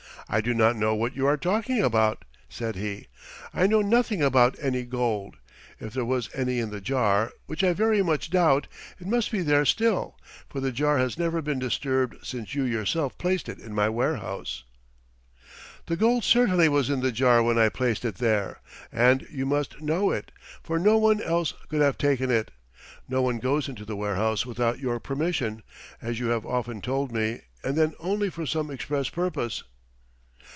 "I do not know what you are talking about," said he. "I know nothing about any gold. If there was any in the jar, which I very much doubt, it must be there still, for the jar has never been disturbed since you yourself placed it in my warehouse." "The gold certainly was in the jar when I placed it there, and you must know it, for no one else could have taken it. No one goes into the warehouse without your permission, as you have often told me and then only for some express purpose."